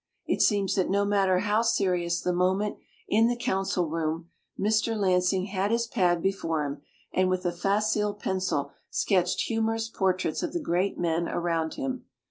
It seems that no matter how serious the moment in the council room, Mr. Lan sing had his pad before him, and with a facile pencil sketched humorous por traits of the great men around him.